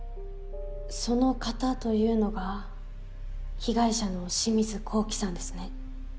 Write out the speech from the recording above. その方というのが被害者の清水光輝さんですね。